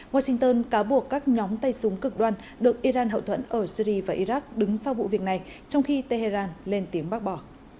washington cáo buộc các nhóm tay súng cực đoan được iran hậu thuẫn ở syri và iraq đứng sau vụ việc này trong khi tehran lên tiếng bác bỏ